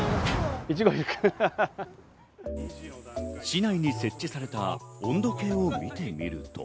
市内に設置された温度計を見てみると。